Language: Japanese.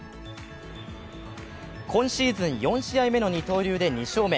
今シーズン４試合目の二刀流で２勝目。